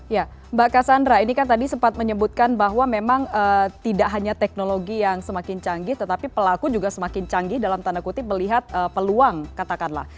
ya mbak cassandra ini kan tadi sempat menyebutkan bahwa memang tidak hanya teknologi yang semakin canggih tetapi pelaku juga semakin canggih dalam tanda kutip melihat peluang katakanlah